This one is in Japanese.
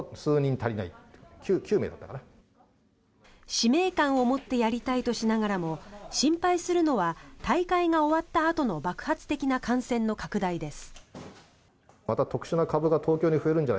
使命感を持ってやりたいとしながらも心配するのは大会が終わったあとの爆発的な感染の拡大です。